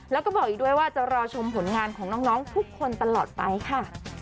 แล้วก็บอกอีกด้วยว่าจะรอชมผลงานของน้องทุกคนตลอดไปค่ะ